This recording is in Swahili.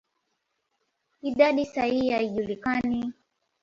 Idadi sahihi haijulikani.